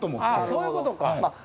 ああそういうことか。